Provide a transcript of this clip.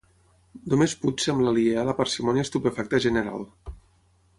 Només Puig sembla aliè a la parsimònia estupefacta general.